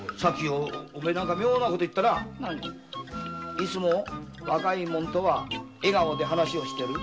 「いつも若い者とは笑顔で話をしてる」